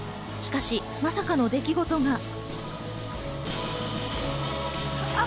しかし、まさかの出来事が！